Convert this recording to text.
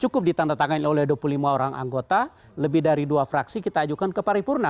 cukup ditandatangani oleh dua puluh lima orang anggota lebih dari dua fraksi kita ajukan ke paripurna